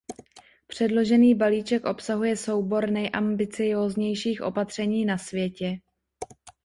Předložený balíček obsahuje soubor nejambicióznějších opatření na světě.